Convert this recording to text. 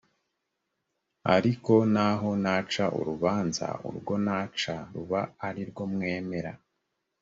ariko naho naca urubanza urwo naca ruba ari rwo mwemera